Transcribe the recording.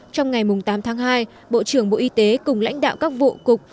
trong ngày tám tháng hai bộ trưởng bộ y tế cùng lãnh đạo các vụ cục